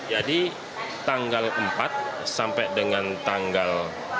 jadi tanggal empat sampai dengan tanggal tujuh